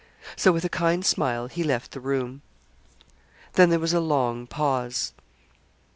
So with a kind smile he left the room. Then there was a long pause.